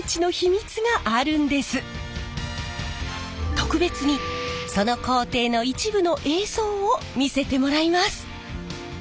特別にその工程の一部の映像を見せてもらいます。